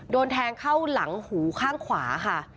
โดนแทงเข้าหลังหูข้างขวาค่ะ